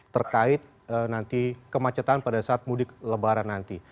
terkait nanti kemacetan pada saat mudik lebaran nanti